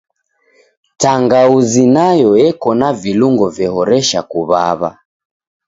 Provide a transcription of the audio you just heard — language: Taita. Tangauzi nayo eko na vilungo vehoresha kuw'aw'a.